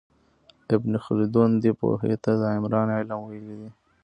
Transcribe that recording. ابن خلدون دې پوهې ته د عمران علم ویلی دی.